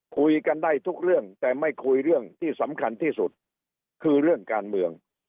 คุยกันได้ทุกเรื่องแต่ไม่คุยเรื่องที่สำคัญที่สุดคือเรื่องการเมือง